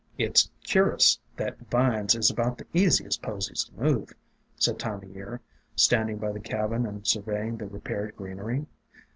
"It 's cur'ous that vines is about the easiest posies to move," said Time o' Year, standing by the cabin and surveying the repaired greenery.